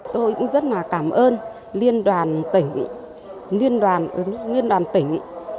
tôi cũng rất cảm ơn liên đoàn tỉnh